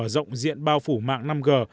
để bao phủ mạng năm g